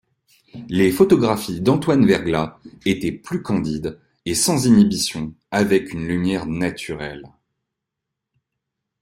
Les photographies d'Antoine Verglas étaient plus candides et sans inhibition, avec une lumière naturelle.